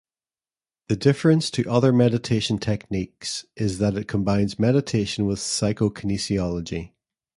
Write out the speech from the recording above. The difference to other meditation techniques is that it combines meditation with the Psycho-Kinesiology.